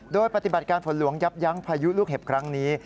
โดยปฏิบัติการฝนหลวงยับยั้งพายุลูกเห็บครั้งนี้